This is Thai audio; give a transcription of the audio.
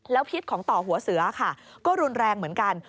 พิษของต่อหัวเสือค่ะก็รุนแรงเหมือนกัน